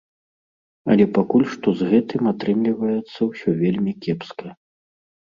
Але пакуль што з гэтым атрымліваецца ўсё вельмі кепска.